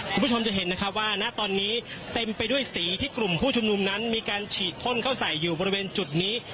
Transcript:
คุณผู้ชมจะเห็นนะครับว่าณตอนนี้เต็มไปด้วยสีที่กลุ่มผู้ชุมนุมนั้นมีการฉีดพ่นเข้าใส่อยู่บริเวณจุดนี้